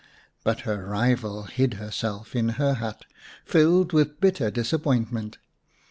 But her rival hid herself in her hut, filled with bitter disappoint ment.